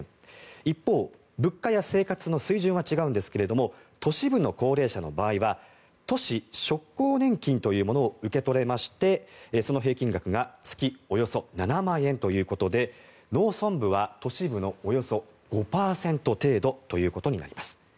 一方、物価や生活の水準は違いますが都市部の高齢者の場合は都市職工年金というものを受け取れましてその平均額が月およそ７万円ということで農村部は都市部のおよそ５％程度ということになります。